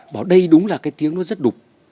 bảo đây đúng là cái tiếng nó rất đục